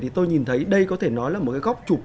thì tôi nhìn thấy đây có thể nói là một cái góc chụp